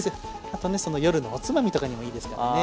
あとね夜のおつまみとかにもいいですからね。